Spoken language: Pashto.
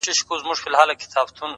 د حقیقت مینه عقل پیاوړی کوي’